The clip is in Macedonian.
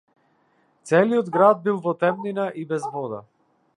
Целиот град бил во темнина и без вода.